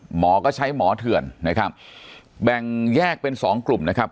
หมอก็ใช้หมอเถื่อนนะครับแบ่งแยกเป็นสองกลุ่มนะครับ